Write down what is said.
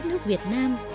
thì có hơn hai mươi năm